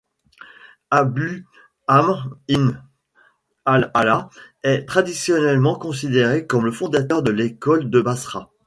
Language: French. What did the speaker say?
Abu Amr Ibn al-Alâ' est traditionnellement considéré comme le fondateur de l'école de Basra.